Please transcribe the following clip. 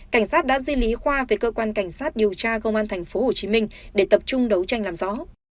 cảnh sát đã duy lý khoa về cơ quan cảnh sát điều tra công an tp hồ chí minh để tập trung đấu tranh làm rõ